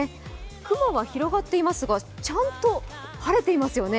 雲が広がっていますがちゃんと晴れていますよね。